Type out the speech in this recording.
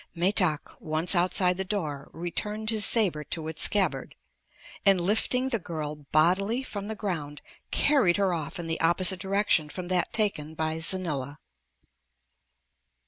Metak, once outside the door, returned his saber to its scabbard and lifting the girl bodily from the ground carried her off in the opposite direction from that taken by Xanila.